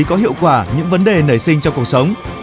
có hiệu quả những vấn đề nảy sinh trong cuộc sống